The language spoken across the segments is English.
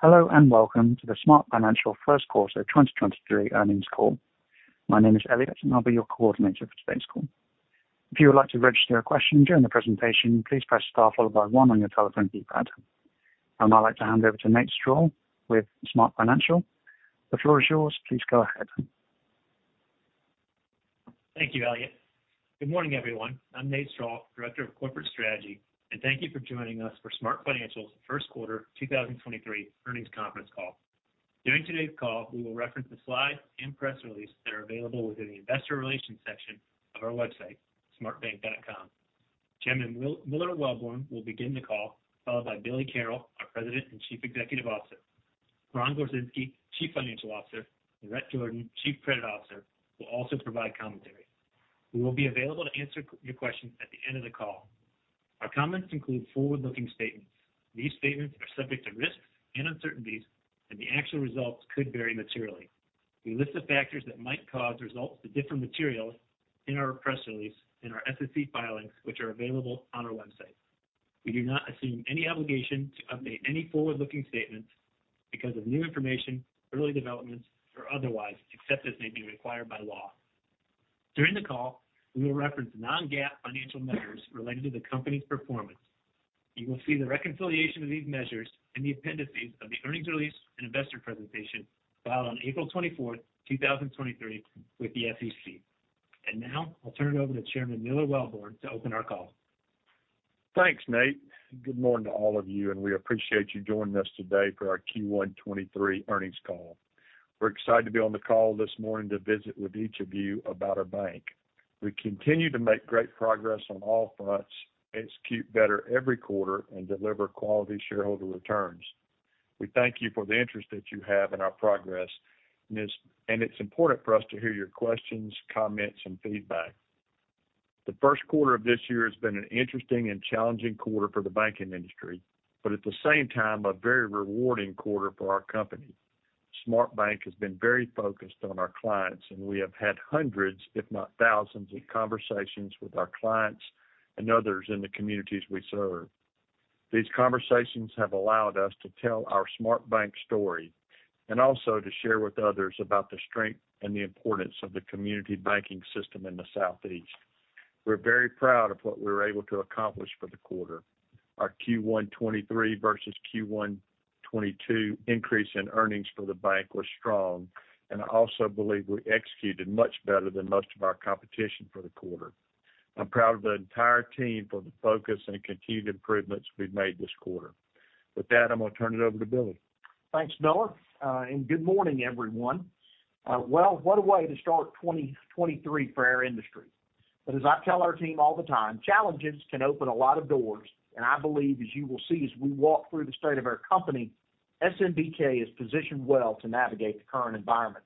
Hello, welcome to the SmartFinancial, Inc. First Quarter 2023 earnings call. My name is Elliot, and I'll be your coordinator for today's call. If you would like to register a question during the presentation, please press star followed by one on your telephone keypad. I'd now like to hand over to Nate Strall with SmartFinancial, Inc. The floor is yours. Please go ahead. Thank you, Elliot. Good morning, everyone. I'm Nate Strall, Director of Corporate Strategy, and thank you for joining us for SmartFinancial, Inc.'s First Quarter 2023 earnings conference call. During today's call, we will reference the slides and press release that are available within the Investor Relations section of our website, smartbank.com. Chairman Miller Welborn will begin the call, followed by Billy Carroll, our President and Chief Executive Officer. Ron Gorczynski, Chief Financial Officer, and Rhett Jordan, Chief Credit Officer, will also provide commentary. We will be available to answer your questions at the end of the call. Our comments include forward-looking statements. These statements are subject to risks and uncertainties, and the actual results could vary materially. We list the factors that might cause results to differ materially in our press release and our SEC filings, which are available on our website. We do not assume any obligation to update any forward-looking statements because of new information, early developments, or otherwise, except as may be required by law. During the call, we will reference non-GAAP financial measures related to the company's performance. You will see the reconciliation of these measures in the appendices of the earnings release and investor presentation filed on April 24th, 2023 with the SEC. Now, I'll turn it over to Chairman Miller Welborn to open our call. Thanks, Nate. Good morning to all of you. We appreciate you joining us today for our Q1 23 earnings call. We're excited to be on the call this morning to visit with each of you about our bank. We continue to make great progress on all fronts, execute better every quarter, and deliver quality shareholder returns. We thank you for the interest that you have in our progress, and it's important for us to hear your questions, comments, and feedback. The first quarter of this year has been an interesting and challenging quarter for the banking industry. At the same time, a very rewarding quarter for our company. SmartBank has been very focused on our clients. We have had hundreds, if not thousands, of conversations with our clients and others in the communities we serve. These conversations have allowed us to tell our SmartBank story and also to share with others about the strength and the importance of the community banking system in the Southeast. We're very proud of what we were able to accomplish for the quarter. Our Q1 2023 versus Q1 2022 increase in earnings for the bank were strong. I also believe we executed much better than most of our competition for the quarter. I'm proud of the entire team for the focus and continued improvements we've made this quarter. With that, I'm gonna turn it over to Billy. Thanks, Miller, good morning, everyone. Well, what a way to start 2023 for our industry. As I tell our team all the time, challenges can open a lot of doors, I believe, as you will see as we walk through the state of our company, SMBK is positioned well to navigate the current environment.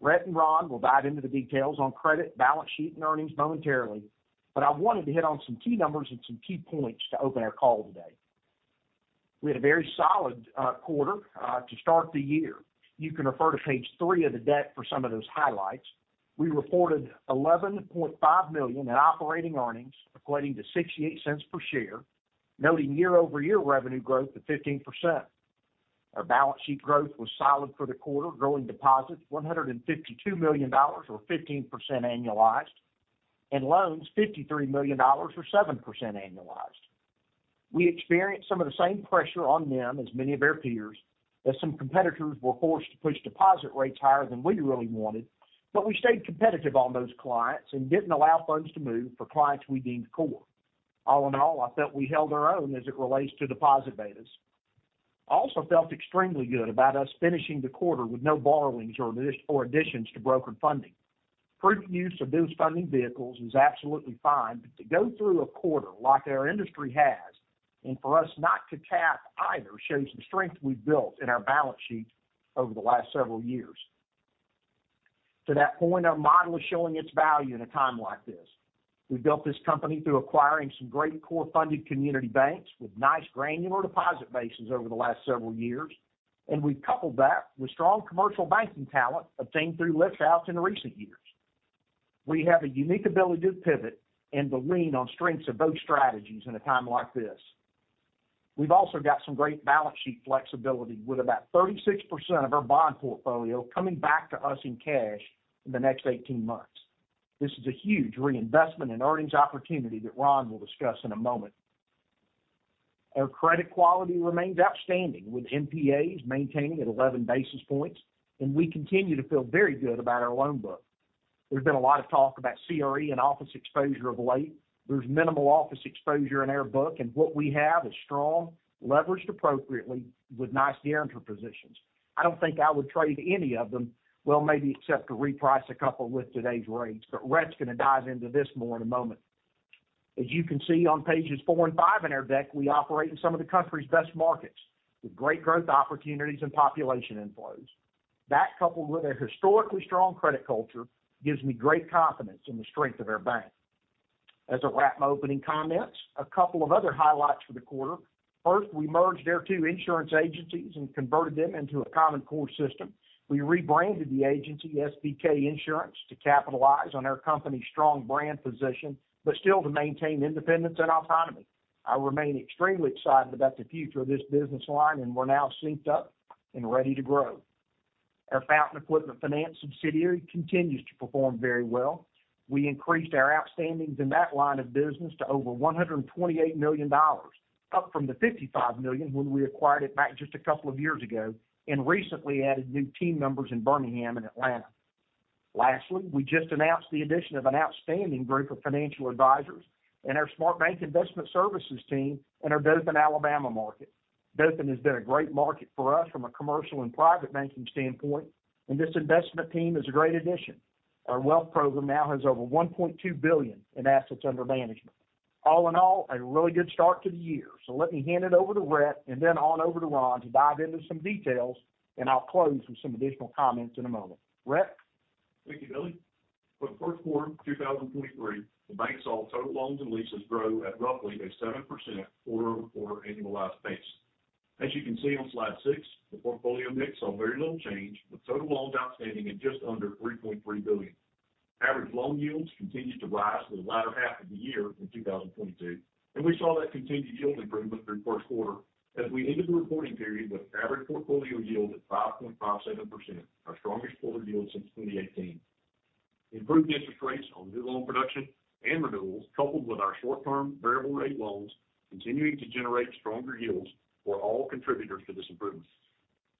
Rhett and Ron will dive into the details on credit, balance sheet, and earnings momentarily, I wanted to hit on some key numbers and some key points to open our call today. We had a very solid quarter to start the year. You can refer to page three of the deck for some of those highlights. We reported $11.5 million in operating earnings, equating to $0.68 per share, noting year-over-year revenue growth of 15%. Our balance sheet growth was solid for the quarter, growing deposits $152 million or 15% annualized, and loans $53 million or 7% annualized. We experienced some of the same pressure on NIM as many of our peers, as some competitors were forced to push deposit rates higher than we really wanted, but we stayed competitive on those clients and didn't allow funds to move for clients we deemed core. All in all, I felt we held our own as it relates to deposit betas. I also felt extremely good about us finishing the quarter with no borrowings or additions to brokered funding. To go through a quarter like our industry has and for us not to tap either shows the strength we've built in our balance sheet over the last several years. To that point, our model is showing its value in a time like this. We built this company through acquiring some great core-funded community banks with nice granular deposit bases over the last several years, and we've coupled that with strong commercial banking talent obtained through lift outs in recent years. We have a unique ability to pivot and to lean on strengths of both strategies in a time like this. We've also got some great balance sheet flexibility with about 36% of our bond portfolio coming back to us in cash in the next 18 months. This is a huge reinvestment in earnings opportunity that Ron will discuss in a moment. Our credit quality remains outstanding, with NPAs maintaining at 11 basis points, and we continue to feel very good about our loan book. There's been a lot of talk about CRE and office exposure of late. There's minimal office exposure in our book. What we have is strong, leveraged appropriately, with nice guarantor positions. I don't think I would trade any of them, well, maybe except to reprice a couple with today's rates. Rhett's gonna dive into this more in a moment. As you can see on pages four and five in our deck, we operate in some of the country's best markets with great growth opportunities and population inflows. That, coupled with a historically strong credit culture, gives me great confidence in the strength of our bank. As I wrap my opening comments, a couple of other highlights for the quarter. First, we merged our two insurance agencies and converted them into a common core system. We rebranded the agency, SBK Insurance, to capitalize on our company's strong brand position, still to maintain independence and autonomy. I remain extremely excited about the future of this business line, and we're now synced up and ready to grow. Our Fountain Equipment Finance subsidiary continues to perform very well. We increased our outstandings in that line of business to over $128 million, up from the $55 million when we acquired it back just a couple of years ago, and recently added new team members in Birmingham and Atlanta. Lastly, we just announced the addition of an outstanding group of financial advisors in our SmartBank Investment Services team in our Dothan, Alabama market. Dothan has been a great market for us from a commercial and private banking standpoint, and this investment team is a great addition. Our wealth program now has over $1.2 billion in assets under management. All in all, a really good start to the year. Let me hand it over to Rhett and then on over to Ron to dive into some details, and I'll close with some additional comments in a moment. Rhett? Thank you, Billy. For the first quarter 2023, the bank saw total loans and leases grow at roughly a 7% quarter-over-quarter annualized pace. As you can see on slide six, the portfolio mix saw very little change, with total loans outstanding at just under $3.3 billion. Average loan yields continued to rise for the latter half of the year in 2022, we saw that continued yield improvement through first quarter as we ended the reporting period with average portfolio yield at 5.57%, our strongest quarter yield since 2018. Improved interest rates on new loan production and renewals, coupled with our short-term variable rate loans continuing to generate stronger yields were all contributors to this improvement.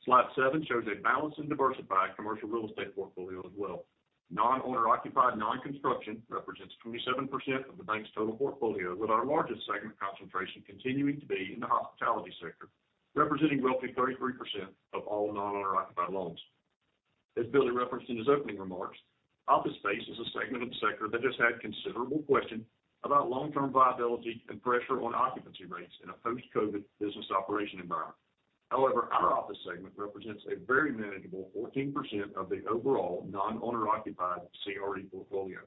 Slide seven shows a balanced and diversified commercial real estate portfolio as well. Non-owner occupied non-construction represents 27% of the bank's total portfolio, with our largest segment concentration continuing to be in the hospitality sector, representing roughly 33% of all non-owner occupied loans. As Billy referenced in his opening remarks, office space is a segment of the sector that has had considerable question about long-term viability and pressure on occupancy rates in a post-COVID business operation environment. Our office segment represents a very manageable 14% of the overall non-owner occupied CRE portfolio.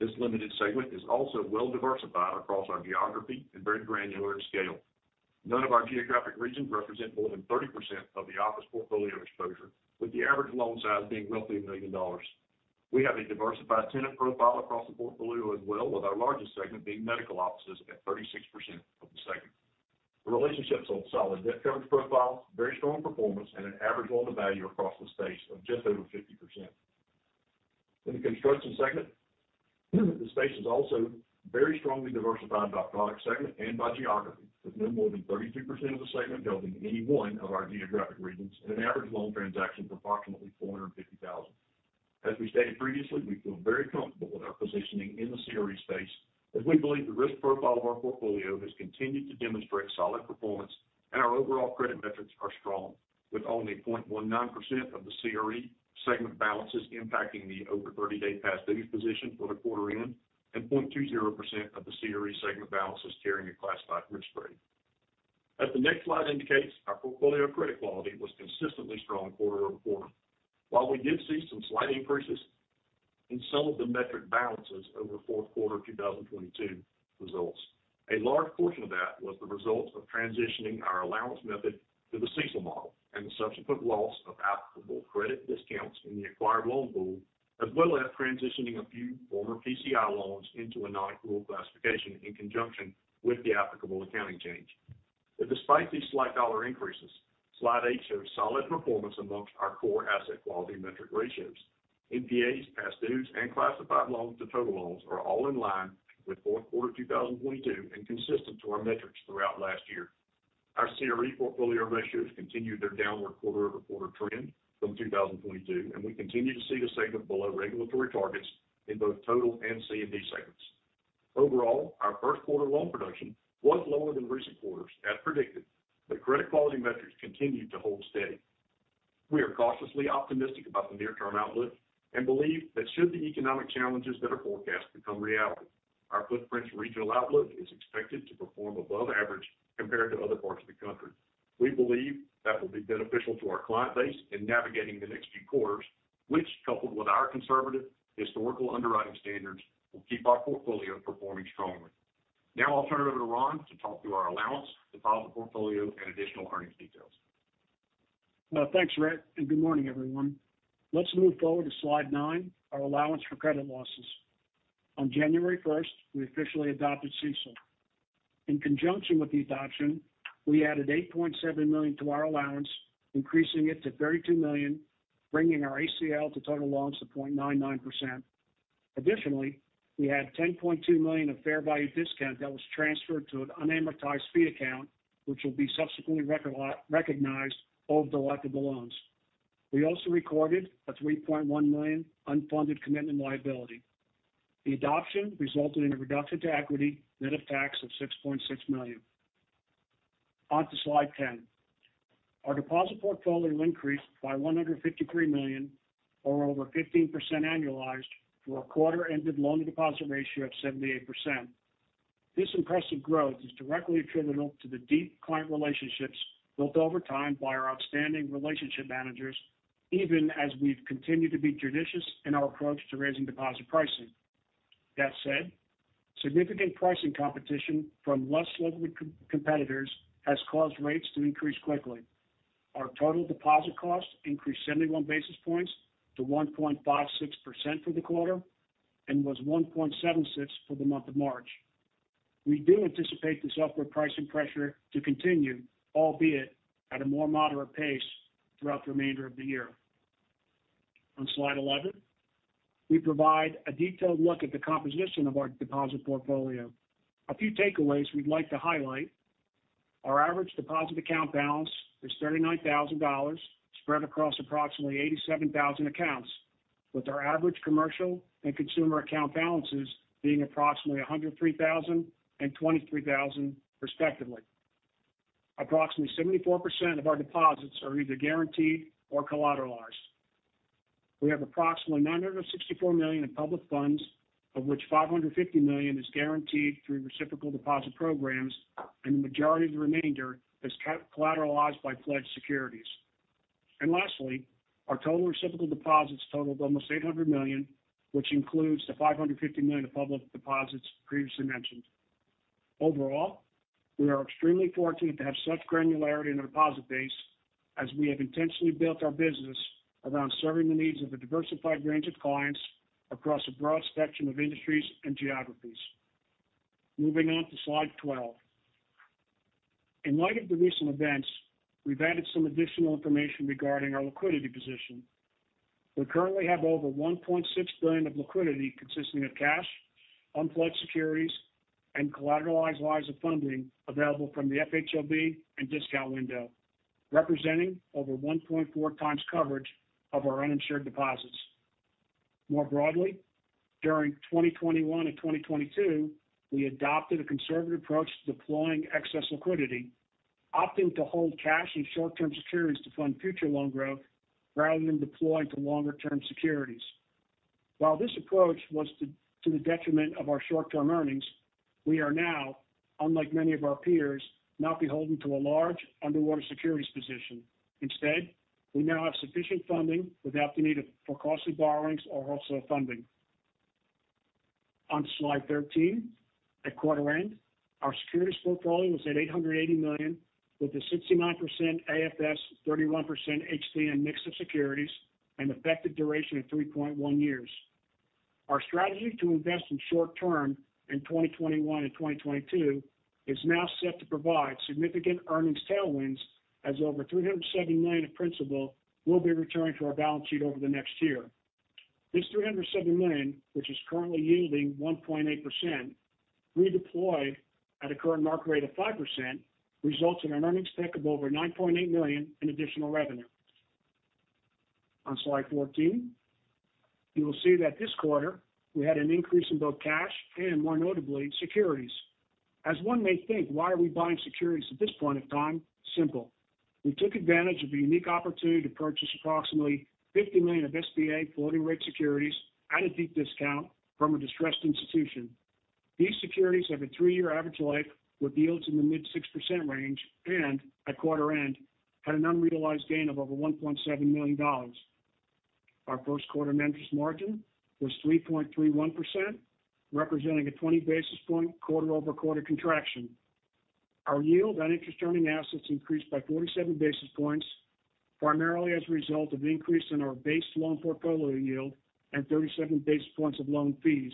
This limited segment is also well diversified across our geography and very granular in scale. None of our geographic regions represent more than 30% of the office portfolio exposure, with the average loan size being roughly $1 million. We have a diversified tenant profile across the portfolio as well, with our largest segment being medical offices at 36% of the segment. The relationships hold solid debt coverage profiles, very strong performance, and an average loan to value across the space of just over 50%. In the construction segment, the space is also very strongly diversified by product segment and by geography, with no more than 32% of the segment held in any one of our geographic regions and an average loan transaction of approximately $450,000. As we stated previously, we feel very comfortable with our positioning in the CRE space as we believe the risk profile of our portfolio has continued to demonstrate solid performance and our overall credit metrics are strong, with only 0.19% of the CRE segment balances impacting the over 30-day past dues position for the quarter end, and 0.20% of the CRE segment balances carrying a classified risk grade. As the next slide indicates, our portfolio credit quality was consistently strong quarter-over-quarter. While we did see some slight increases in some of the metric balances over fourth quarter 2022 results, a large portion of that was the result of transitioning our allowance method to the CECL model and the subsequent loss of applicable credit discounts in the acquired loan pool, as well as transitioning a few former PCI loans into a non-accrual classification in conjunction with the applicable accounting change. Despite these slight dollar increases, slide eight shows solid performance amongst our core asset quality metric ratios. NPAs, past dues, and classified loans to total loans are all in line with fourth quarter 2022 and consistent to our metrics throughout last year. Our CRE portfolio ratios continued their downward quarter-over-quarter trend from 2022. We continue to see the segment below regulatory targets in both total and C and D segments. Overall, our first quarter loan production was lower than recent quarters, as predicted. Credit quality metrics continued to hold steady. We are cautiously optimistic about the near-term outlook. We believe that should the economic challenges that are forecast become reality, our footprint's regional outlook is expected to perform above average compared to other parts of the country. We believe that will be beneficial to our client base in navigating the next few quarters, which, coupled with our conservative historical underwriting standards, will keep our portfolio performing strongly. Now I'll turn it over to Ron to talk through our allowance, deposit portfolio, and additional earnings details. Thanks, Rhett, good morning, everyone. Let's move forward to slide nine, our allowance for credit losses. On January 1st, we officially adopted CECL. In conjunction with the adoption, we added $8.7 million to our allowance, increasing it to $32 million, bringing our ACL to total loans to 0.99%. Additionally, we had $10.2 million of fair value discount that was transferred to an unamortized fee account, which will be subsequently recognized over the life of the loans. We also recorded a $3.1 million unfunded commitment liability. The adoption resulted in a reduction to equity net of tax of $6.6 million. On to slide 10. Our deposit portfolio increased by $153 million or over 15% annualized for a quarter-ended loan to deposit ratio of 78%. This impressive growth is directly attributable to the deep client relationships built over time by our outstanding relationship managers, even as we've continued to be judicious in our approach to raising deposit pricing. That said, significant pricing competition from less liquid competitors has caused rates to increase quickly. Our total deposit cost increased 71 basis points to 1.56% for the quarter and was 1.76% for the month of March. We do anticipate this upward pricing pressure to continue, albeit at a more moderate pace throughout the remainder of the year. On slide 11, we provide a detailed look at the composition of our deposit portfolio. A few takeaways we'd like to highlight. Our average deposit account balance is $39,000 spread across approximately 87,000 accounts, with our average commercial and consumer account balances being approximately $103,000 and $23,000 respectively. Approximately 74% of our deposits are either guaranteed or collateralized. We have approximately $964 million in public funds, of which $550 million is guaranteed through reciprocal deposit programs, and the majority of the remainder is collateralized by pledged securities. Lastly, our total reciprocal deposits totaled almost $800 million, which includes the $550 million of public deposits previously mentioned. Overall, we are extremely fortunate to have such granularity in our deposit base as we have intentionally built our business around serving the needs of a diversified range of clients across a broad spectrum of industries and geographies. Moving on to slide 12. In light of the recent events, we've added some additional information regarding our liquidity position. We currently have over $1.6 billion of liquidity consisting of cash, unpledged securities, and collateralized lines of funding available from the FHLB and discount window, representing over 1.4x coverage of our uninsured deposits. During 2021 and 2022, we adopted a conservative approach to deploying excess liquidity, opting to hold cash and short-term securities to fund future loan growth rather than deploy to longer-term securities. While this approach was to the detriment of our short-term earnings, we are now, unlike many of our peers, not beholden to a large underwater securities position. Instead, we now have sufficient funding without the need for costly borrowings or wholesale funding. On slide 13, at quarter end, our securities portfolio was at $880 million, with a 69% AFS, 31% HTM mix of securities and effective duration of 3.1 years. Our strategy to invest in short term in 2021 and 2022 is now set to provide significant earnings tailwinds as over $370 million of principal will be returning to our balance sheet over the next year. This $370 million, which is currently yielding 1.8%, redeployed at a current market rate of 5%, results in an earnings pick of over $9.8 million in additional revenue. On slide 14, you will see that this quarter we had an increase in both cash and more notably, securities. As one may think, why are we buying securities at this point in time? Simple. We took advantage of the unique opportunity to purchase approximately $50 million of SBA floating rate securities at a deep discount from a distressed institution. These securities have a three-year average life with yields in the mid 6% range and at quarter end had an unrealized gain of over $1.7 million. Our first quarter net interest margin was 3.31%, representing a 20 basis point quarter-over-quarter contraction. Our yield on interest earning assets increased by 47 basis points, primarily as a result of increase in our base loan portfolio yield and 37 basis points of loan fees,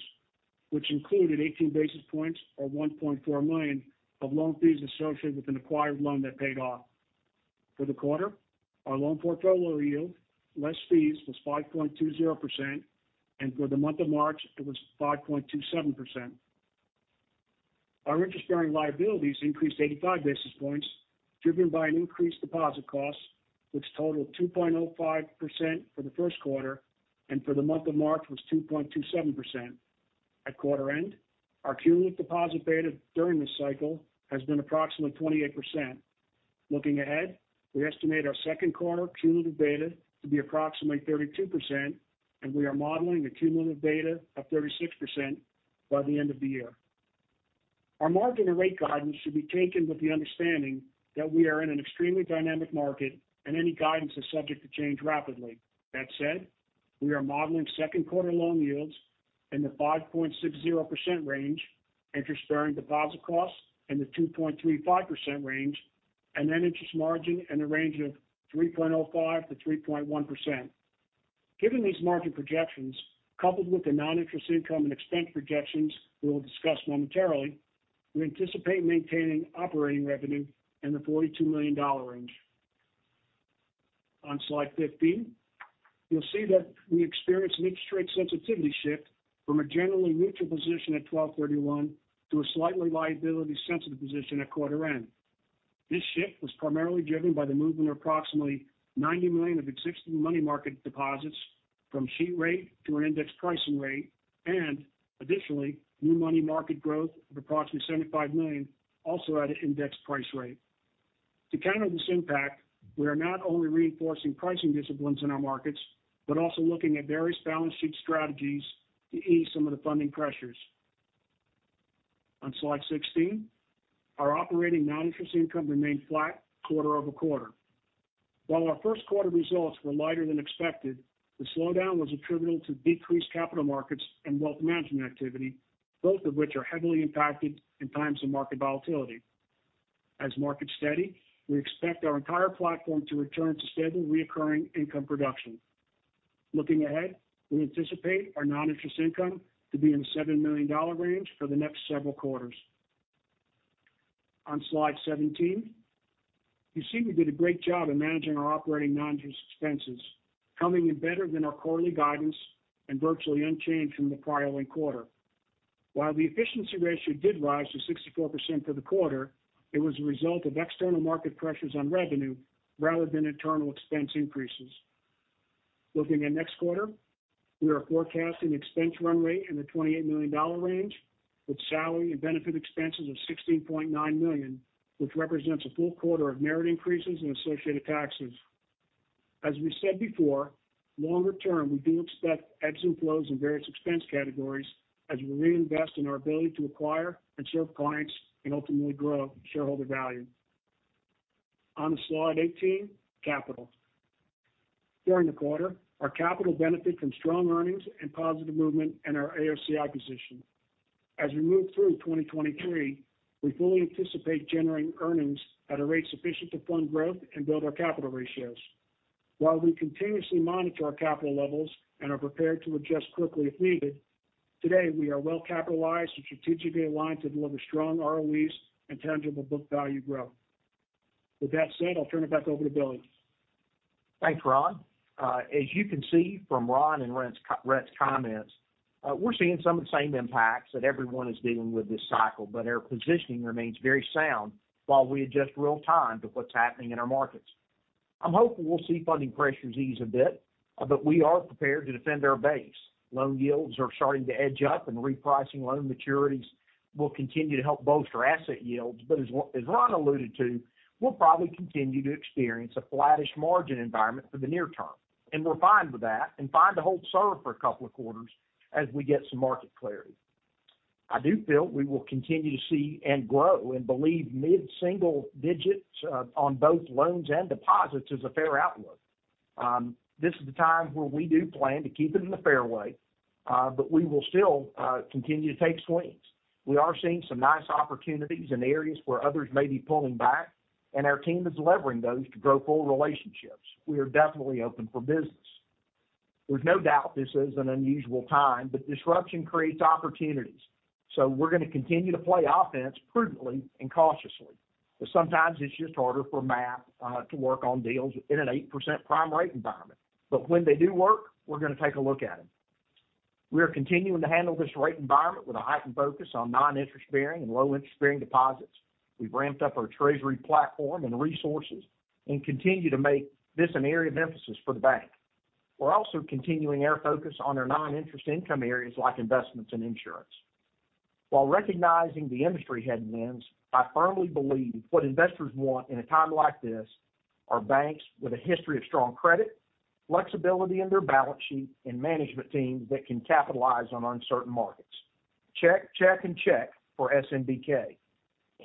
which included 18 basis points or $1.4 million of loan fees associated with an acquired loan that paid off. For the quarter, our loan portfolio yield, less fees, was 5.20%, and for the month of March it was 5.27%. Our interest-bearing liabilities increased 85 basis points, driven by an increased deposit cost which totaled 2.05% for the first quarter and for the month of March was 2.27%. At quarter end, our cumulative deposit beta during this cycle has been approximately 28%. Looking ahead, we estimate our second quarter cumulative beta to be approximately 32%, and we are modeling a cumulative beta of 36% by the end of the year. Our margin and rate guidance should be taken with the understanding that we are in an extremely dynamic market and any guidance is subject to change rapidly. That said, we are modeling second quarter loan yields in the 5.60% range, interest bearing deposit costs in the 2.35% range and net interest margin in the range of 3.05%-3.1%. Given these market projections, coupled with the non-interest income and expense projections we will discuss momentarily, we anticipate maintaining operating revenue in the $42 million range. On slide 15, you'll see that we experienced an interest rate sensitivity shift from a generally neutral position at 12/31 to a slightly liability sensitive position at quarter end. This shift was primarily driven by the movement of approximately $90 million of existing money market deposits from sheet rate to an indexed pricing rate, and additionally, new money market growth of approximately $75 million also at an indexed price rate. To counter this impact, we are not only reinforcing pricing disciplines in our markets, but also looking at various balance sheet strategies to ease some of the funding pressures. On slide 16, our operating non-interest income remained flat quarter-over-quarter. While our first quarter results were lighter than expected, the slowdown was attributable to decreased Capital Markets and Wealth Management activity, both of which are heavily impacted in times of market volatility. As markets steady, we expect our entire platform to return to steady reoccurring income production. Looking ahead, we anticipate our non-interest income to be in the $7 million range for the next several quarters. On slide 17, you see we did a great job in managing our operating non-interest expenses, coming in better than our quarterly guidance and virtually unchanged from the prior linked quarter. While the efficiency ratio did rise to 64% for the quarter, it was a result of external market pressures on revenue rather than internal expense increases. Looking at next quarter, we are forecasting expense run rate in the $28 million range, with salary and benefit expenses of $16.9 million, which represents a full quarter of merit increases and associated taxes. As we said before, longer term, we do expect ebbs and flows in various expense categories as we reinvest in our ability to acquire and serve clients and ultimately grow shareholder value. On to slide 18, capital. During the quarter, our capital benefited from strong earnings and positive movement in our AOCI position. As we move through 2023, we fully anticipate generating earnings at a rate sufficient to fund growth and build our capital ratios. While we continuously monitor our capital levels and are prepared to adjust quickly if needed, today, we are well capitalized and strategically aligned to deliver strong ROEs and tangible book value growth. With that said, I'll turn it back over to Billy. Thanks, Ron. As you can see from Ron and Rhett's comments, we're seeing some of the same impacts that everyone is dealing with this cycle, but our positioning remains very sound while we adjust real time to what's happening in our markets. I'm hopeful we'll see funding pressures ease a bit, but we are prepared to defend our base. Loan yields are starting to edge up and repricing loan maturities will continue to help bolster asset yields. As Ron alluded to, we'll probably continue to experience a flattish margin environment for the near term, and we're fine with that and fine to hold serve for a couple of quarters as we get some market clarity. I do feel we will continue to see and grow and believe mid-single digits, on both loans and deposits is a fair outlook. This is the time where we do plan to keep it in the fairway, we will still continue to take swings. We are seeing some nice opportunities in areas where others may be pulling back, and our team is levering those to grow full relationships. We are definitely open for business. There's no doubt this is an unusual time, disruption creates opportunities, we're gonna continue to play offense prudently and cautiously. Sometimes it's just harder for math to work on deals in an 8% prime rate environment. When they do work, we're gonna take a look at them. We are continuing to handle this rate environment with a heightened focus on non-interest bearing and low interest bearing deposits. We've ramped up our treasury platform and resources and continue to make this an area of emphasis for the bank. We're also continuing our focus on our non-interest income areas like investments and insurance. While recognizing the industry headwinds, I firmly believe what investors want in a time like this are banks with a history of strong credit, flexibility in their balance sheet, and management teams that can capitalize on uncertain markets. Check, check, and check for SMBK.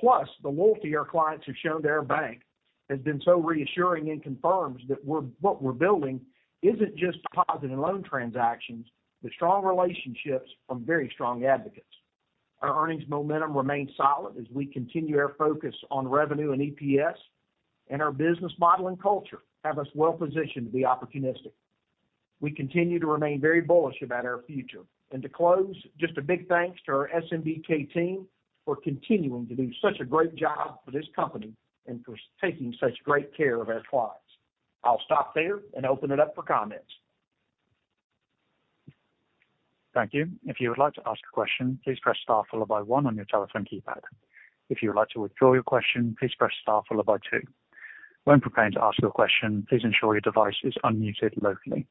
The loyalty our clients have shown to our bank has been so reassuring and confirms that what we're building isn't just deposit and loan transactions, but strong relationships from very strong advocates. Our earnings momentum remains solid as we continue our focus on revenue and EPS, and our business model and culture have us well positioned to be opportunistic. We continue to remain very bullish about our future. To close, just a big thanks to our SMBK team for continuing to do such a great job for this company and for taking such great care of our clients. I'll stop there and open it up for comments. Thank you. If you would like to ask a question, please press star followed by one on your telephone keypad. If you would like to withdraw your question, please press star followed by two. When preparing to ask your question, please ensure your device is unmuted locally.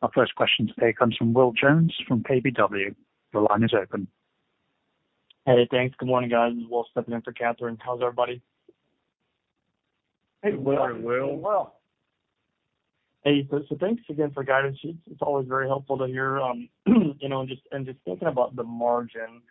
Our first question today comes from Will Jones from KBW. Your line is open. Hey, thanks. Good morning, guys. This is Will stepping in for Katherine. How's everybody? Hey, Will. Morning, Will. Doing well. Hey. Thanks again for the guidance. It's always very helpful to hear, you know, and just thinking about the margin,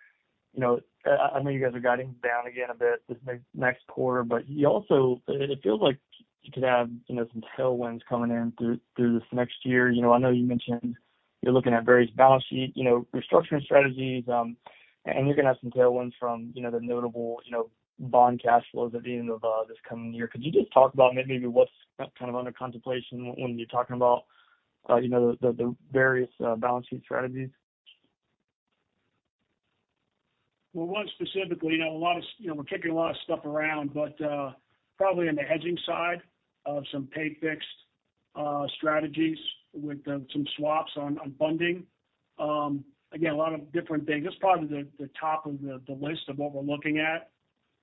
you know, I know you guys are guiding down again a bit this next quarter, but you also it feels like you could have, you know, some tailwinds coming in through this next year. You know, I know you mentioned you're looking at various balance sheet, you know, restructuring strategies, and you're gonna have some tailwinds from, you know, the notable, you know, bond cash flows at the end of this coming year. Could you just talk about maybe what's kind of under contemplation when you're talking about, you know, the various balance sheet strategies? One specifically, you know, a lot of you know, we're kicking a lot of stuff around, but probably on the hedging side of some pay fixed strategies with some swaps on funding. Again, a lot of different things. That's probably the top of the list of what we're looking at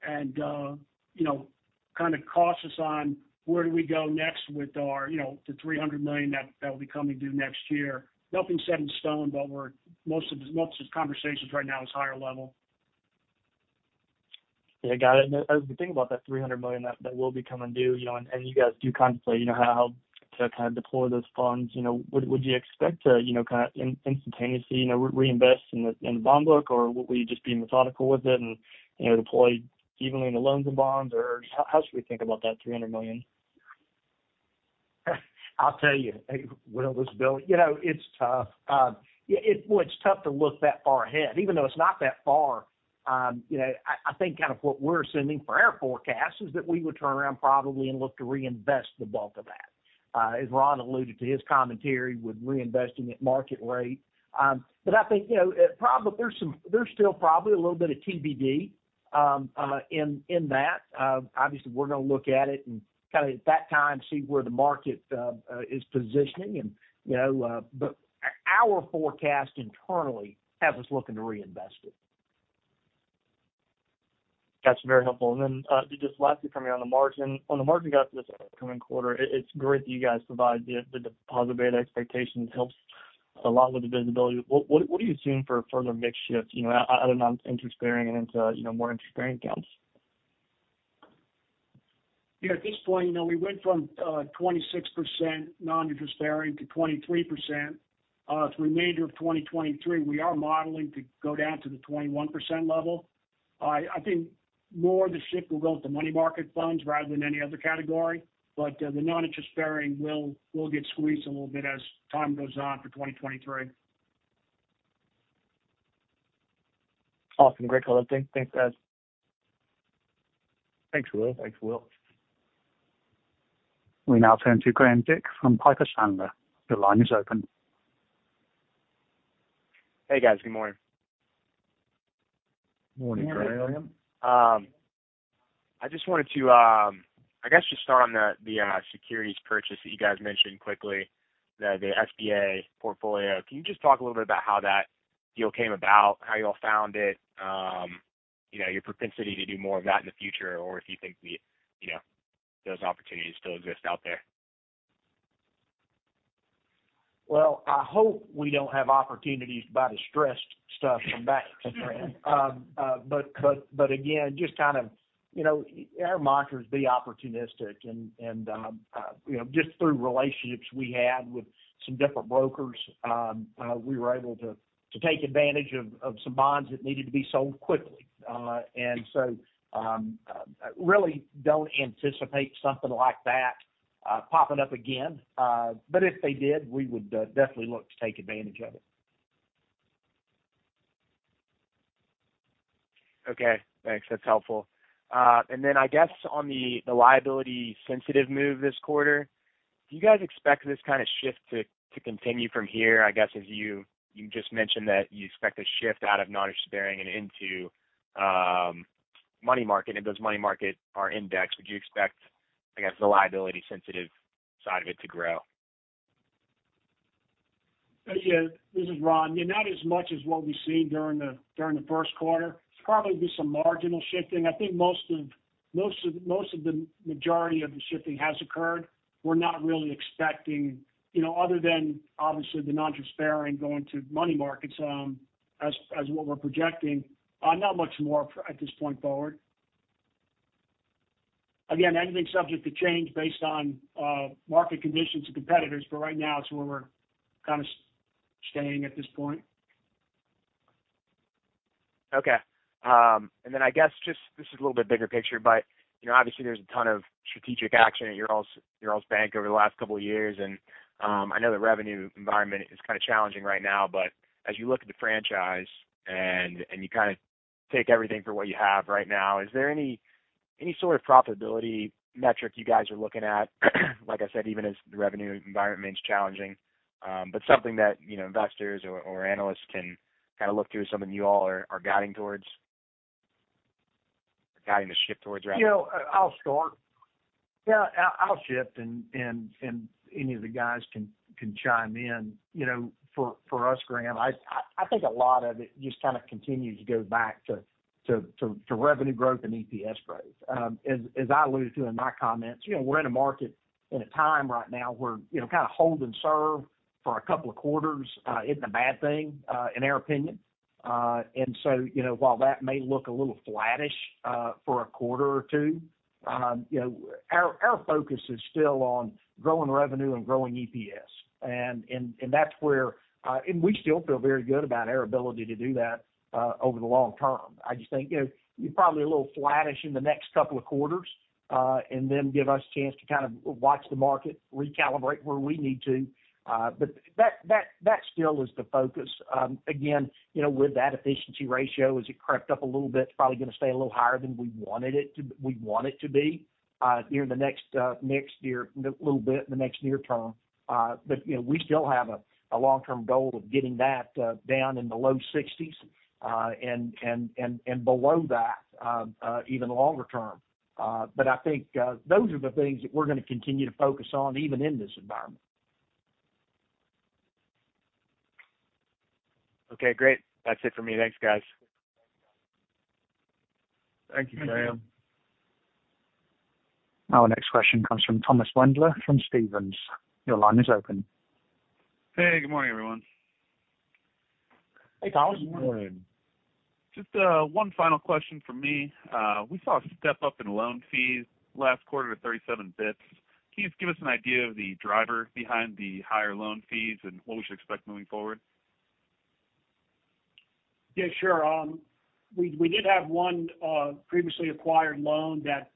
and, you know, kind of cautious on where do we go next with our, you know, the $300 million that will be coming due next year. Nothing's set in stone, but most of the conversations right now is higher level. Yeah, got it. As we think about that $300 million that will be coming due, you know, and you guys do contemplate, you know, how to kind of deploy those funds, you know, would you expect to, you know, kind of instantaneously, you know, reinvest in the bond book? Or will you just be methodical with it and, you know, deploy evenly in the loans and bonds? Or how should we think about that $300 million? I'll tell you, Will, this Bill, you know, it's tough. Yeah, Well, it's tough to look that far ahead, even though it's not that far. You know, I think kind of what we're assuming for our forecast is that we would turn around probably and look to reinvest the bulk of that. As Ron alluded to his commentary with reinvesting at market rate. I think, you know, there's still probably a little bit of TBD in that. Obviously, we're gonna look at it and kind of at that time, see where the market is positioning and, you know, our forecast internally has us looking to reinvest it. That's very helpful. Then, just lastly for me on the margin. On the margin guidance for this upcoming quarter, it's great that you guys provide the deposit beta expectations. It helps a lot with the visibility. What do you assume for further mix shift, you know, out of non-interest bearing and into, you know, more interest-bearing accounts? Yeah, at this point, you know, we went from 26% non-interest bearing to 23%. Through the remainder of 2023, we are modeling to go down to the 21% level. I think more of the shift will go to money market funds rather than any other category. The non-interest bearing will get squeezed a little bit as time goes on for 2023. Awesome. Great color. Thanks, guys. Thanks, Will. Thanks, Will. We now turn to Graham Dick from Piper Sandler. Your line is open. Hey, guys. Good morning. Morning, Graham. Morning, Graham. I just wanted to, I guess, just start on the, securities purchase that you guys mentioned quickly, the SBA portfolio. Can you just talk a little bit about how that deal came about, how you all found it, you know, your propensity to do more of that in the future, or if you think the, you know, those opportunities still exist out there? Well, I hope we don't have opportunities to buy distressed stuff from banks, Graham. But again, just kind of, you know, our mantra is be opportunistic and, you know, just through relationships we had with some different brokers, we were able to take advantage of some bonds that needed to be sold quickly. Really don't anticipate something like that popping up again. If they did, we would definitely look to take advantage of it. Okay. Thanks. That's helpful. Then I guess on the liability sensitive move this quarter, do you guys expect this kind of shift to continue from here, I guess, as you just mentioned that you expect a shift out of non-interest bearing and into money market? If those money market are indexed, would you expect, I guess, the liability sensitive side of it to grow? Yeah. This is Ron. Yeah, not as much as what we see during the first quarter. There's probably be some marginal shifting. I think most of the majority of the shifting has occurred. We're not really expecting, you know, other than obviously the non-interest bearing going to money markets, as what we're projecting, not much more at this point forward. Again, anything's subject to change based on market conditions and competitors, but right now it's where we're kind of staying at this point. Okay. Then I guess just this is a little bit bigger picture, but, you know, obviously there's a ton of strategic action at your all's bank over the last couple of years. I know the revenue environment is kind of challenging right now. As you look at the franchise and you kind of take everything for what you have right now, is there any sort of profitability metric you guys are looking at like I said, even as the revenue environment remains challenging, something that, you know, investors or analysts can kind of look to as something you all are guiding towards? Guiding the ship towards rather? You know, I'll start. Yeah, I'll shift and any of the guys can chime in. You know, for us, Graham, I think a lot of it just kind of continues to go back to revenue growth and EPS growth. As I alluded to in my comments, you know, we're in a market in a time right now where, you know, kind of hold and serve for two quarters, isn't a bad thing in our opinion. You know, while that may look a little flattish for one or two quarters, you know, our focus is still on growing revenue and growing EPS. That's where, and we still feel very good about our ability to do that over the long term. I just think, you know, probably a little flattish in the next couple of quarters, and then give us a chance to kind of watch the market recalibrate where we need to. That, that still is the focus. Again, you know, with that efficiency ratio, as it crept up a little bit, it's probably gonna stay a little higher than we want it to be, during the next little bit in the next near term. You know, we still have a long-term goal of getting that, down in the low sixties, and below that, even longer term. I think, those are the things that we're gonna continue to focus on even in this environment. Okay, great. That's it for me. Thanks, guys. Thank you, Graham. Our next question comes from Thomas Wendler from Stephens. Your line is open. Hey, good morning, everyone. Hey, Thomas. Good morning. Just, one final question from me. We saw a step up in loan fees last quarter to 37 bits. Can you just give us an idea of the driver behind the higher loan fees and what we should expect moving forward? Yeah, sure. We did have one previously acquired loan that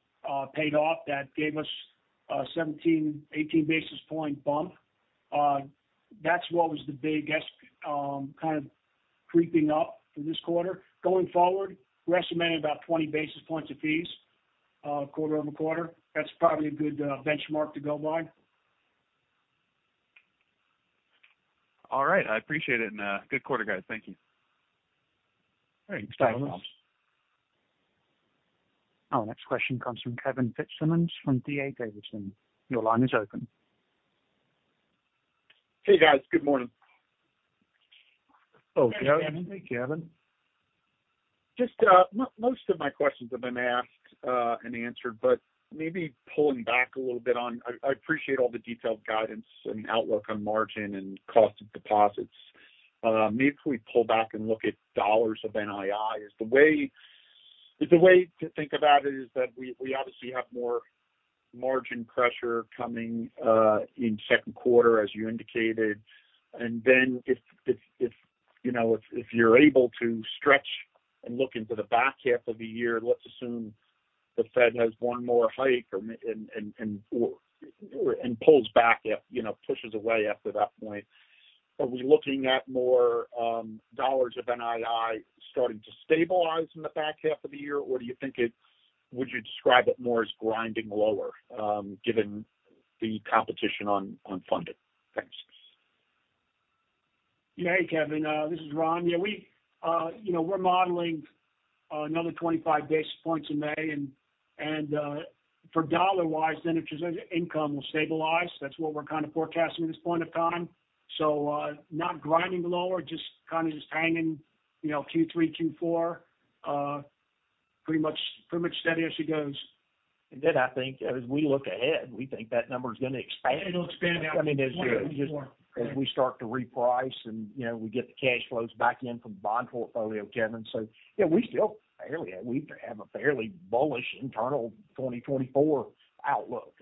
paid off that gave us a 17-18 basis point bump. That's what was the biggest kind of creeping up for this quarter. Going forward, we're estimating about 20 basis points of fees quarter-over-quarter. That's probably a good benchmark to go by. All right. I appreciate it. Good quarter, guys. Thank you. Thanks. Thanks, Thomas. Our next question comes from Kevin Fitzsimmons from D.A. Davidson. Your line is open. Hey, guys. Good morning. Oh, Kevin. Hey, Kevin. Just, most of my questions have been asked, and answered, but maybe pulling back a little bit on. I appreciate all the detailed guidance and outlook on margin and cost of deposits. Maybe if we pull back and look at dollars of NII, is the way to think about it is that we obviously have more margin pressure coming, in second quarter, as you indicated. Then if, you know, you're able to stretch and look into the back half of the year, let's assume the Fed has one more hike or and pulls back at, you know, pushes away after that point. Are we looking at more dollars of NII starting to stabilize in the back half of the year? Do you think would you describe it more as grinding lower, given the competition on funding? Thanks. Yeah. Kevin, this is Ron. Yeah, we, you know, we're modeling another 25 basis points in May, and, for dollar-wise, net interest income will stabilize. That's what we're kind of forecasting at this point of time. Not grinding lower, just kind of just hanging, you know, Q3, Q4, pretty much steady as she goes. I think as we look ahead, we think that number is gonna expand. It'll expand out even more. I mean, as we start to reprice and, you know, we get the cash flows back in from bond portfolio, Kevin. Yeah, we still have a fairly bullish internal 2024 outlook,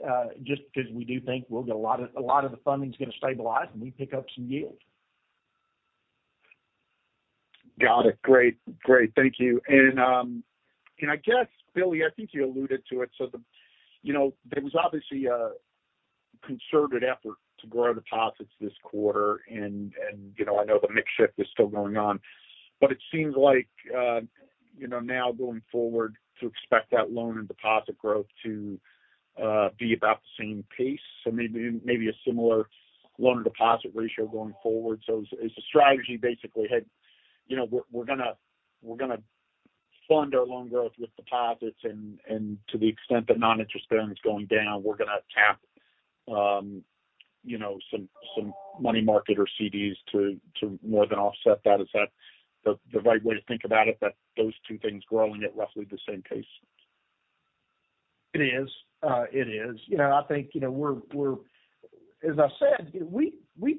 just because we do think we'll get a lot of the funding is gonna stabilize, and we pick up some yield. Got it. Great. Great. Thank you. I guess, Billy, I think you alluded to it. The, you know, there was obviously a concerted effort to grow deposits this quarter, and, you know, I know the mix shift is still going on, but it seems like, you know, now going forward to expect that loan and deposit growth to be about the same pace. Maybe a similar loan deposit ratio going forward. Is the strategy basically, hey, you know, we're gonna fund our loan growth with deposits and to the extent that non-interest spend is going down, we're gonna tap, you know, some money market or CDs to more than offset that. Is that the right way to think about it, that those two things growing at roughly the same pace? It is. It is. You know, I think, you know, we're As I said, we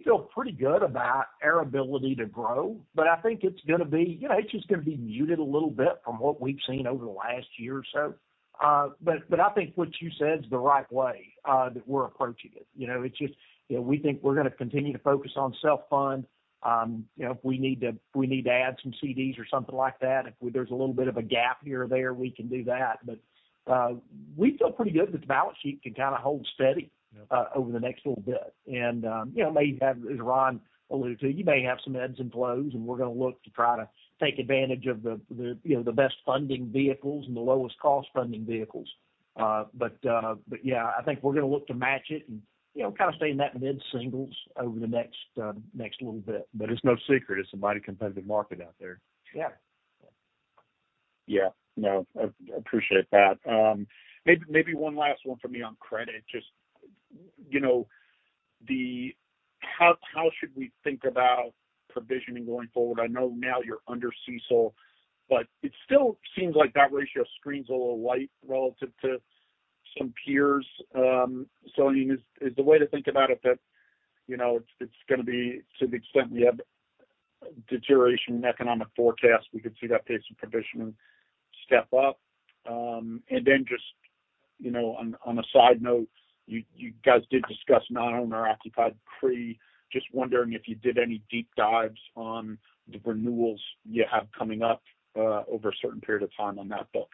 feel pretty good about our ability to grow, but I think it's gonna be, you know, it's just gonna be muted a little bit from what we've seen over the last year or so. I think what you said is the right way that we're approaching it. You know, it's just, you know, we think we're gonna continue to focus on self-fund. You know, if we need to add some CDs or something like that, if there's a little bit of a gap here or there, we can do that. We feel pretty good that the balance sheet can kind of hold steady. Yeah. Over the next little bit. You know, may have, as Ron alluded to, you may have some ebbs and flows, and we're gonna look to try to take advantage of the, you know, the best funding vehicles and the lowest cost funding vehicles. Yeah, I think we're gonna look to match it and, you know, kind of stay in that mid-singles over the next little bit. It's no secret it's a mighty competitive market out there. Yeah. Yeah. No, I appreciate that. Maybe one last one for me on credit. Just, you know, how should we think about provisioning going forward? I know now you're under CECL, but it still seems like that ratio screens a little light relative to some peers. I mean, is the way to think about it that, you know, it's gonna be to the extent we have deterioration in economic forecast, we could see that pace of provisioning step up? Just, you know, on a side note, you guys did discuss non-owner occupied CRE. Just wondering if you did any deep dives on the renewals you have coming up over a certain period of time on that book.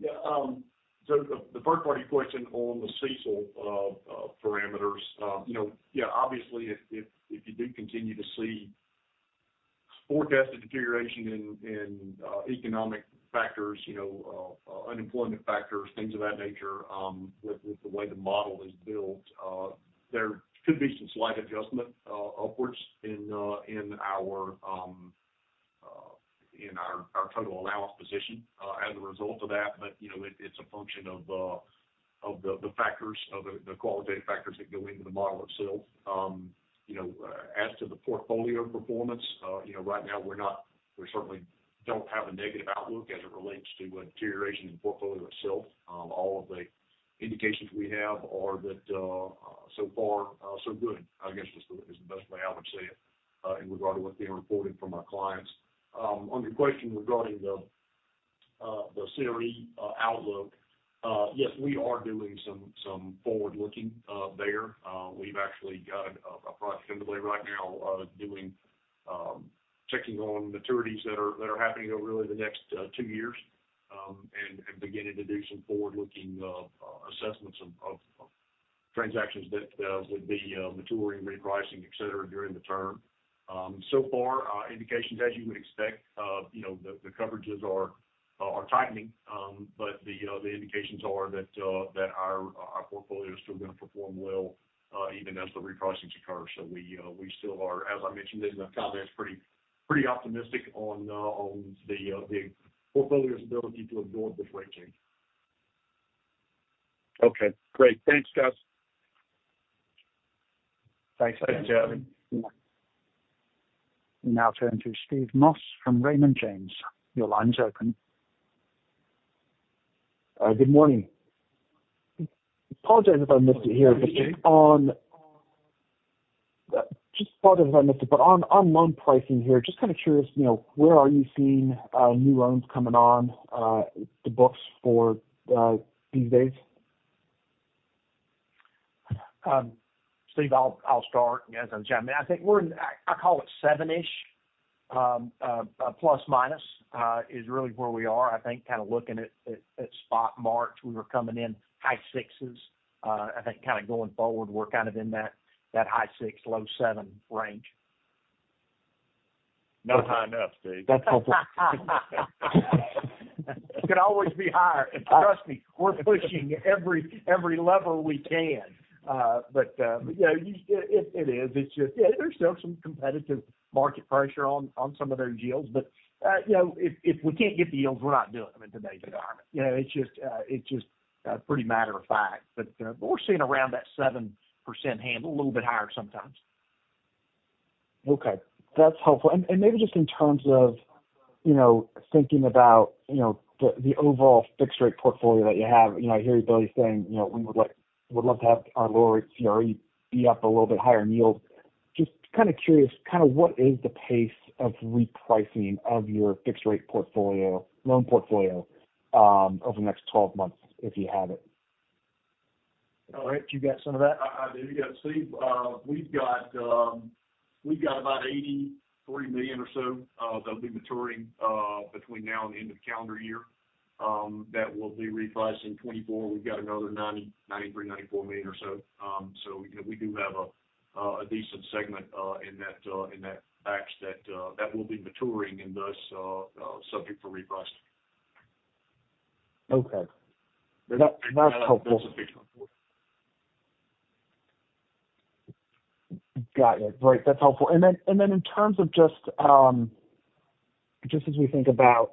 Thanks. The first part of your question on the CECL parameters, you know, obviously if you do continue to see forecasted deterioration in economic factors, you know, unemployment factors, things of that nature, with the way the model is built, there could be some slight adjustment upwards in our total allowance position as a result of that. You know, it's a function of the factors, of the qualitative factors that go into the model itself. You know, as to the portfolio performance, you know, we certainly don't have a negative outlook as it relates to a deterioration in the portfolio itself. All of the indications we have are that, so far so good, I guess is the best way I would say it, in regard to what's being reported from our clients. On the question regarding the CRE outlook, yes, we are doing some forward-looking there. We've actually got a product specialty right now, doing checking on maturities that are happening over really the next two years, and beginning to do some forward-looking assessments of transactions that would be maturing, repricing, et cetera, during the term. So far, indications as you would expect, you know, the coverages are tightening. The, you know, the indications are that our portfolio is still gonna perform well, even as the repricings occur. We still are, as I mentioned in the comments, pretty optimistic on the portfolio's ability to absorb the rate change. Okay, great. Thanks, guys. Thanks. Thanks, Kevin. We now turn to Steve Moss from Raymond James. Your line's open. Good morning. Apologize if I missed it here. Good morning, Steve. Just apologize if I missed it, but on loan pricing here, just kind of curious, you know, where are you seeing new loans coming on the books for these days? Steve, I'll start. Yes, as John, I think we're in, I call it 7-ish ±, is really where we are. I think kind of looking at spot marks, we were coming in high 6s. I think kind of going forward, we're kind of in that high six-low seven range. No high enough, Steve. That's helpful. It could always be higher. Trust me, we're pushing every lever we can. You know, it is. It's just, yeah, there's still some competitive market pressure on some of their deals. You know, if we can't get the yields, we're not doing them in today's environment. You know, it's just pretty matter of fact. We're seeing around that 7% handle, a little bit higher sometimes. Okay, that's helpful. Maybe just in terms of, you know, thinking about, you know, the overall fixed-rate portfolio that you have. You know, I hear you, Billy, saying, you know, we would love to have our lower CRE be up a little bit higher in yields. Just kind of curious, kind of what is the pace of repricing of your fixed rate portfolio, loan portfolio, over the next 12 months if you have it? All right. Do you got some of that? I do. Yeah, Steve, we've got about $83 million or so, that'll be maturing, between now and the end of calendar year, that will be repriced. In 2024, we've got another $90, $93, $94 million or so. We do have a decent segment, in that axe that will be maturing and thus, subject for repricing. Okay. That's helpful. Got it. Great. That's helpful. In terms of just as we think about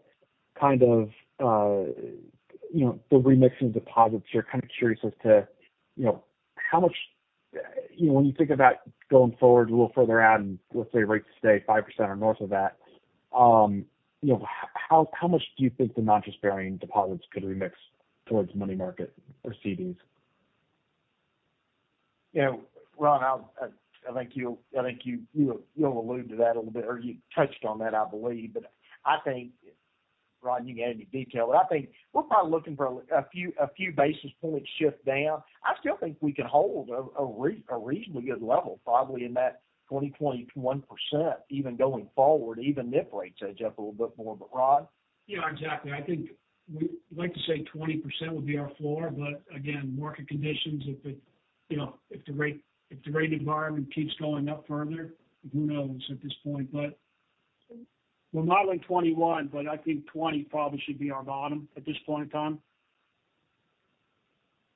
kind of, you know, the remixing deposits, you're kind of curious as to, you know, how much, you know, when you think about going forward a little further out and let's say rates stay 5% or north of that, you know, how much do you think the non-disbursing deposits could remix towards money market or CDs? You know, Ron, I think you alluded to that a little bit, or you touched on that, I believe. I think, Ron, you can add any detail, but I think we're probably looking for a few basis points shift down. I still think we can hold a reasonably good level, probably in that 20%-21% even going forward, even if rates edge up a little bit more. Rod? Yeah, exactly. I think we like to say 20% would be our floor. Again, market conditions, if it, you know, if the rate environment keeps going up further, who knows at this point? We're modeling 21, but I think 20 probably should be our bottom at this point in time.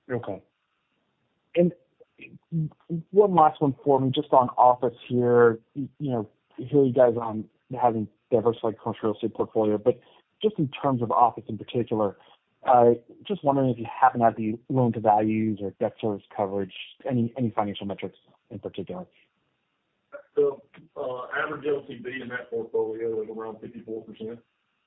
One last one for me, just on office here. You know, hear you guys on having diversified commercial real estate portfolio, but just in terms of office in particular, just wondering if you happen to have the loan-to-values or debt service coverage, any financial metrics in particular? So, uh, average LTV in that portfolio is around fifty-four percent,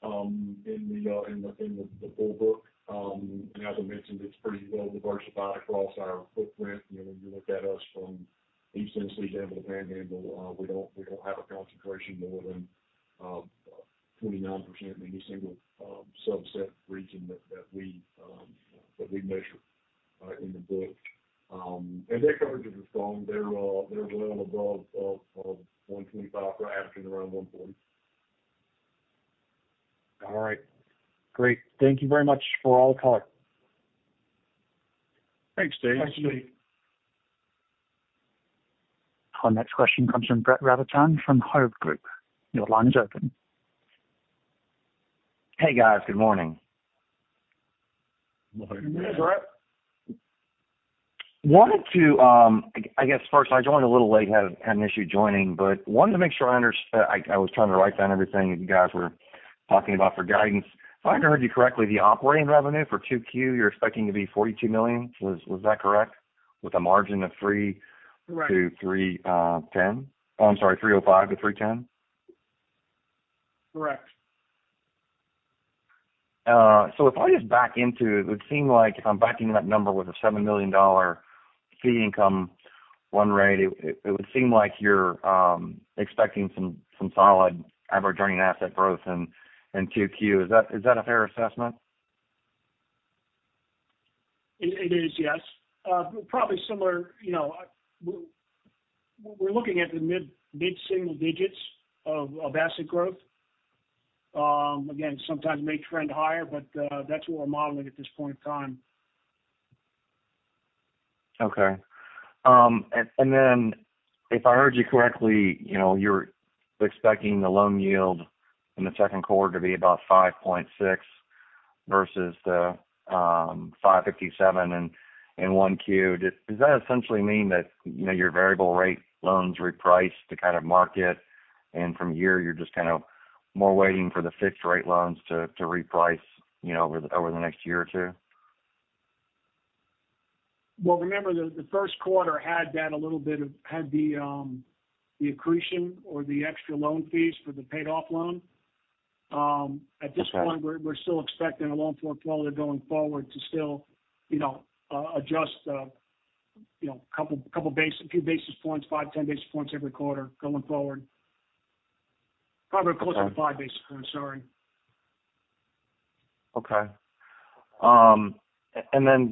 um, in the, uh, in the, in the full book. Um, and as I mentioned, it's pretty well diversified across our footprint. You know, when you look at us from east to west and to the panhandle, uh, we don't, we don't have a concentration more than, um, uh, twenty-nine percent in any single, um, subset region that, that we, um, that we measure, uh, in the book. Um, and their coverage is strong. They're, uh, they're well above, uh, um, one twenty-five. We're asking around one forty. All right, great. Thank you very much for all the color. Thanks, Steve. Thanks, Steve. Our next question comes from Brett Rabatin from Hovde Group. Your line's open. Hey, guys. Good morning. Morning. Hey, Brett. Wanted to, I guess first I joined a little late, had an issue joining, wanted to make sure I was trying to write down everything you guys were talking about for guidance. If I heard you correctly, the operating revenue for 2Q, you're expecting to be $42 million. Was that correct? With a margin of three- Right. To 3-10? Oh, I'm sorry, 305-310. Correct. If I just back into it would seem like if I'm backing that number with a $7 million fee income, one rate, it would seem like you're expecting some solid average earning asset growth in Q2. Is that a fair assessment? It is, yes. Probably similar, you know. We're looking at the mid-single digits of asset growth. Again, sometimes may trend higher, but that's what we're modeling at this point in time. Okay. Then if I heard you correctly, you know, you're expecting the loan yield in the second quarter to be about 5.6 versus the 5.57 in 1Q. Does that essentially mean that, you know, your variable rate loans reprice to kind of market and from here you're just kind of more waiting for the fixed rate loans to reprice, you know, over the next year or two? Well, remember the first quarter had that had the accretion or the extra loan fees for the paid off loan. At this point. Okay. we're still expecting a loan portfolio going forward to still, you know, adjust, you know, few basis points, five, 10 basis points every quarter going forward. Probably closer to five basis points, sorry. Okay.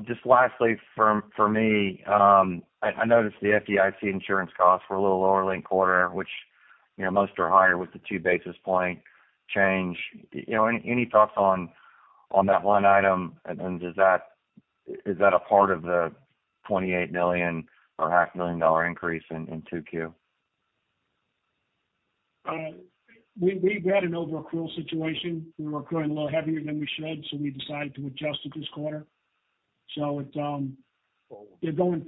Just lastly from, for me, I noticed the FDIC insurance costs were a little lower last quarter, which, you know, most are higher with the two basis point change. You know, any thoughts on that one item? Is that a part of the $28 million or half million dollar increase in 2Q? We had an overaccrual situation. We were accruing a little heavier than we should, so we decided to adjust it this quarter. It.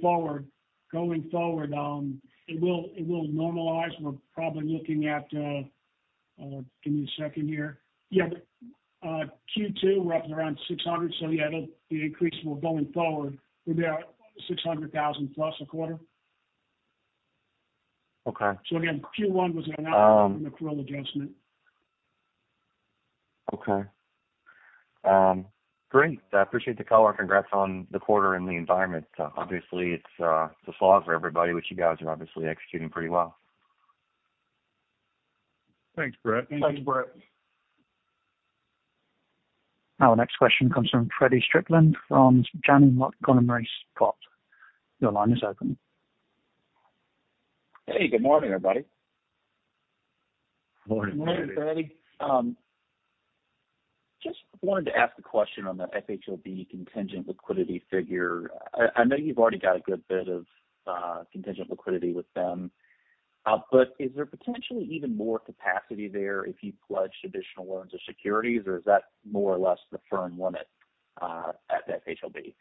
Forward. Going forward, it will normalize. We're probably looking at, give me a second here. Q2, we're up around $600. The increase will going forward will be at $600,000+ a quarter. Okay. Again, Q1 was an accrual adjustment. Okay. great. I appreciate the color. Congrats on the quarter and the environment. Obviously it's a slog for everybody, which you guys are obviously executing pretty well. Thanks, Brett. Thanks, Brett. Our next question comes from Feddie Strickland from Janney Montgomery Scott. Your line is open. Hey, good morning, everybody. Morning, Feddie. Morning, Feddie. Just wanted to ask a question on the FHLB contingent liquidity figure. I know you've already got a good bit of contingent liquidity with them. But is there potentially even more capacity there if you pledged additional loans or securities, or is that more or less the firm limit at FHLB?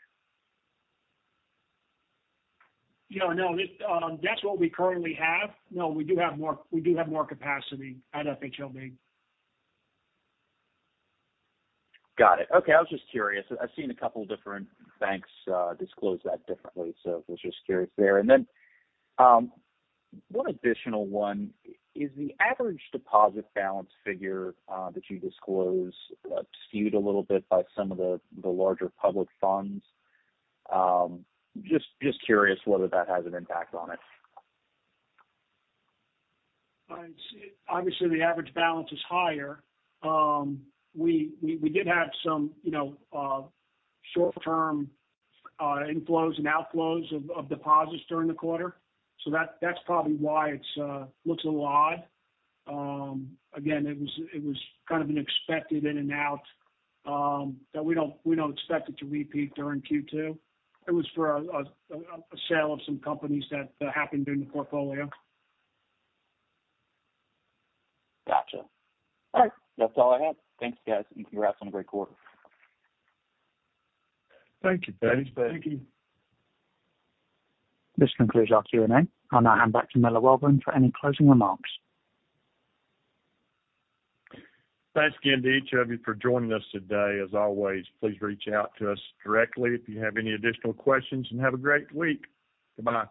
No, no, that's what we currently have. No, we do have more capacity at FHLB. Got it. Okay. I was just curious. I've seen a couple different banks disclose that differently, so I was just curious there. One additional one, is the average deposit balance figure that you disclose skewed a little bit by some of the larger public funds? Just curious whether that has an impact on it. I'd say obviously the average balance is higher. We did have some, you know, short-term, inflows and outflows of deposits during the quarter, so that's probably why it looks a little odd. Again, it was kind of an expected in and out, that we don't expect it to repeat during Q2. It was for a sale of some companies that happened during the portfolio. Gotcha. All right, that's all I have. Thanks, guys. Congrats on a great quarter. Thank you, Feddie. Thanks, Feddie. This concludes our Q&A. I'll now hand back to Miller Welborn for any closing remarks. Thanks again to each of you for joining us today. As always, please reach out to us directly if you have any additional questions, and have a great week. Goodbye now.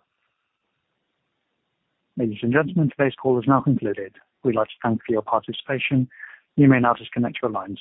Ladies and gentlemen, today's call is now concluded. We'd like to thank you for your participation. You may now disconnect your lines.